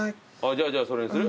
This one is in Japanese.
じゃあじゃあそれにする？